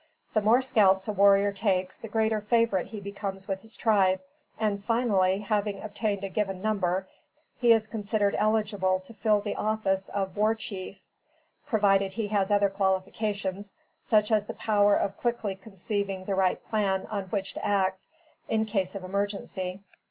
The more scalps a warrior takes, the greater favorite he becomes with his tribe; and finally, having obtained a given number, he is considered eligible to fill the office of War Chief, provided he has other qualifications, such as the power of quickly conceiving the right plan on which to act in case of emergency.